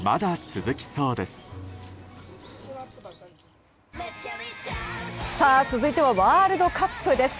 続いてはワールドカップです。